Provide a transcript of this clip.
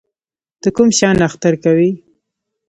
ته کوم شیان اختر کوې؟